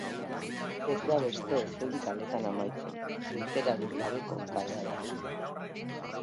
Ez da beste ezein kaletan amaitzen, irteerarik gabeko kalea da.